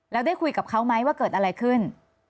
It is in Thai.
แล้วได้คุยกับเขาไหมว่าเกิดอะไรขึ้น